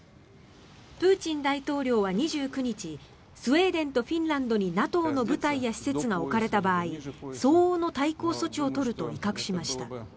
プーチン大統領は２９日スウェーデンとフィンランドにＮＡＴＯの部隊や施設が置かれた場合相応の対抗措置を取ると威嚇しました。